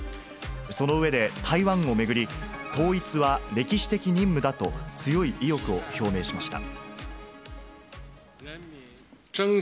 その上で、台湾を巡り、統一は歴史的任務だと、強い意欲を表明しました。